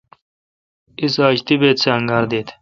اس آج طیبیت سہ انگار دیت۔